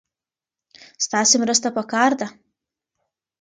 ستاسې مرسته پکار ده.